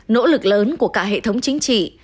nỗ lực lớn của cả hệ thống chính trị